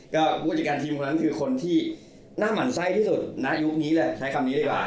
ก็ผู้จัดการทีมคนนั้นคือคนที่หน้าหมั่นไส้ที่สุดณยุคนี้เลยใช้คำนี้ดีกว่า